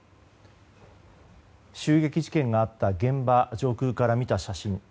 襲撃事件があった現場上空から見た写真。